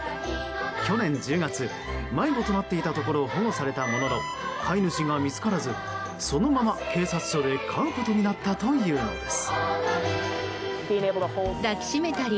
去年１０月迷子になっていたところを保護されたものの飼い主が見つからずそのまま警察署で飼うことになったというのです。